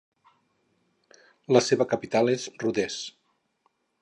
La seva capital és Rodés.